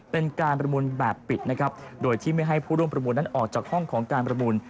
เป็นการประมูลแบบปิดนะครับโดยที่ไม่ให้ผู้ร่วมประมูลนั้นออกจากห้องของการประมูล